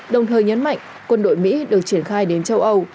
đồng thời nhấn mạnh quân đội mỹ được triển khai đến châu âu